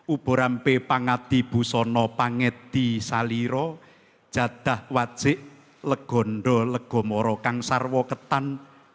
uborampe pangati busono pangeti saliro jadah wajik legondo legomoro kang sarwoketan